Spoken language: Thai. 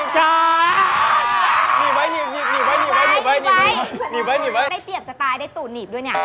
เขารู้ได้เปรียบสไตล์ได้ตู่ดหนีบด้วยนี่